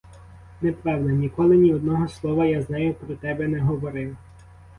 Неправда, ніколи, ні одного слова я з нею про тебе не говорив.